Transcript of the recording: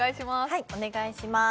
お願いします